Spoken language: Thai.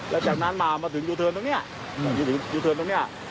และจากนั้นมาถึงยูเทิร์นตรงเนี่ย